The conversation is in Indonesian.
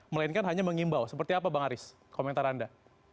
melainkan hanya mengimbau seperti apa bang aris komentar anda